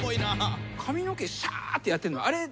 髪の毛しゃーってやってんのあれ。